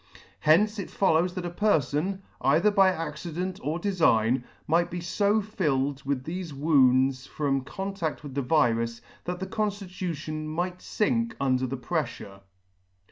Hence it follows that a perfon, either by accident or defign, might be fo filled with thefe wounds from contaCt with the virus, that the conffitution might fink under the preffure.